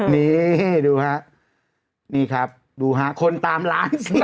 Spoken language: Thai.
นี่ดูฮะนี่ครับดูฮะคนตามร้านสิ